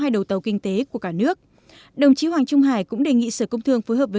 hai đầu tàu kinh tế của cả nước đồng chí hoàng trung hải cũng đề nghị sở công thương phối hợp với